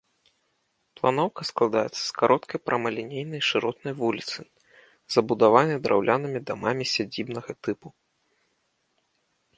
Планоўка складаецца з кароткай прамалінейнай шыротнай вуліцы, забудаванай драўлянымі дамамі сядзібнага тыпу.